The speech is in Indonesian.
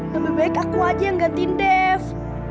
lebih baik aku aja yang gantiin dev